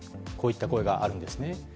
こういった声があるんですね。